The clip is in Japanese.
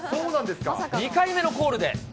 ２回目のコールで。